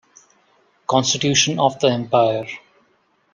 Constitution of the empire.